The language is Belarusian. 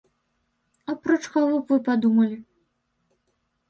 Апроч каго б вы падумалі?